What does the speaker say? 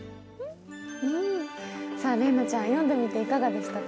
麗菜ちゃん、読んでみていかがでしたか？